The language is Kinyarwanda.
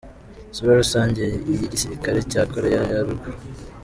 Isura rusange y’igisirikare cya Koreya ya Ruguru.